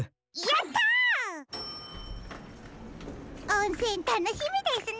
おんせんたのしみですね。